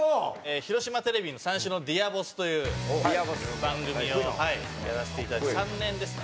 広島テレビの『三四郎のＤｅａｒボス』という番組をやらせていただいて３年ですね。